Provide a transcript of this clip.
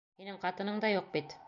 Һинең ҡатының да юҡ бит!